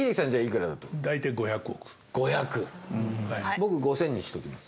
僕５０００にしときます。